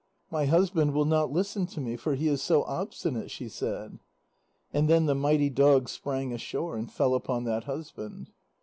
"My husband will not listen to me, for he is so obstinate," she said. And then the mighty dog sprang ashore and fell upon that husband.